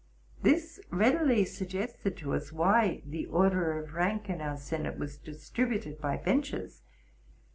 This readily suggested to us why the order of rank in our senate was distributed by benches.